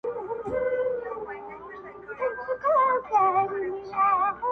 دغه غوښتنه كوي دا اوس د دعــا پــــر پـــــــاڼـــــه.